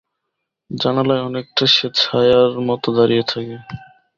জানালায় অনেকটা সে ছায়ার মত দাঁড়িয়ে থাকে।